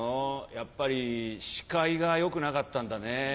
やっぱりシカイが良くなかったんだね。